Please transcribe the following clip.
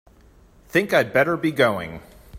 Think I'd better be going.